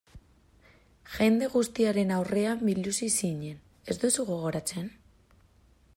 Jende guztiaren aurrean biluzi zinen, ez duzu gogoratzen?